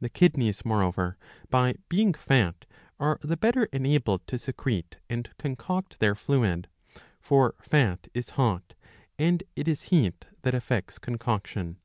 The kidneys, moreover, by being fat are the better enabled to secrete and concoct their fluid ; for fat is hot, and it is heat that effects concoction.